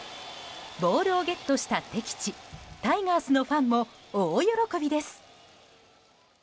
ボールをゲットした敵地タイガースのファンも大喜びです。